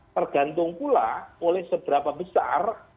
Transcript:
tergantung pula oleh seberapa besar